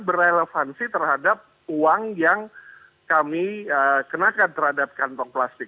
dan berelevansi terhadap uang yang kami kenakan terhadap kantong plastik